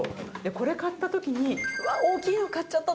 これ買った時に「うわっ大きいの買っちゃった！